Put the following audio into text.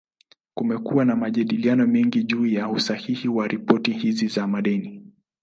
Kumekuwa na majadiliano mengi juu ya usahihi wa ripoti hizi za madeni.